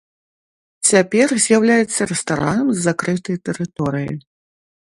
Цяпер з'яўляецца рэстаранам з закрытай тэрыторыяй.